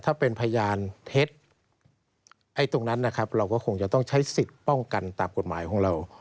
ถ้าเป็นพยานเท็จไอ้ตรงนั้นนะครับเราก็คงจะต้องใช้สิทธิ์ป้องกันตามกฎหมายของเรา